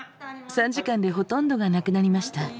３時間でほとんどが無くなりました。